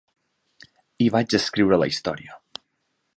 I vaig escriure la història.